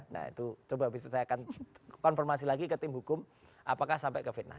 nah itu coba saya akan konfirmasi lagi ke tim hukum apakah sampai ke fitnah